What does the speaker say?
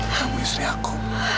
kamu istri aku